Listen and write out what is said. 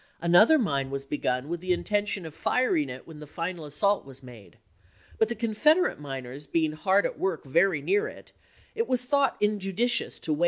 Another mine was begun with the intention of firing it when the final assault was made, but the Confederate miners being hard at work very near it, it was thought injudicious to 1863.